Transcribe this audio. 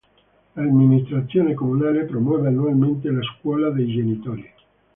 L'Amministrazione Comunale promuove annualmente la scuola dei genitori.